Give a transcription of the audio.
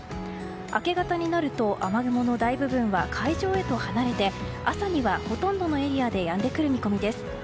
明け方になると雨雲の大部分は海上へと離れて朝には、ほとんどのエリアでやんでくる見込みです。